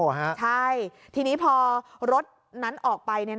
ใช่ทีนี้พอรถนั้นออกไป